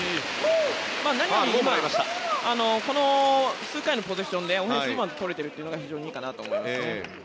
何より今この数回のポゼッションでオフェンスリバウンドを取れているのが非常にいいかなと思いますね。